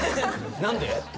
何で？